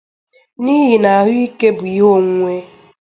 n'ihi na ahụike bụ ihe onwunwe.